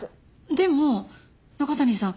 でも中谷さん